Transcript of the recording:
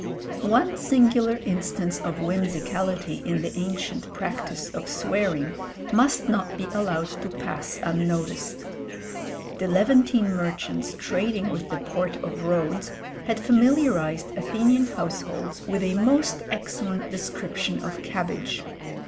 One singular instance of whimsicality in the ancient practice of swearing must not be allowed to pass unnoticed. The Levantine merchants trading with the port of Rhodes had familiarized Athenian households with a most excellent description of cabbage.